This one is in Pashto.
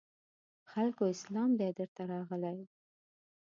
خلکو اسلام دی درته راغلی